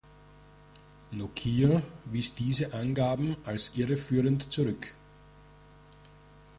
Nokia wies diese Angaben als irreführend zurück.